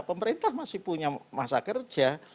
pemerintah masih punya masa kerja